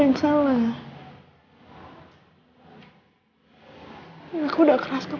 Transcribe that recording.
saya juga sudah terlalu keras sama kamu